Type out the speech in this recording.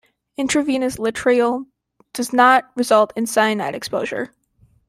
Intravenous laetrile does not result in cyanide exposure.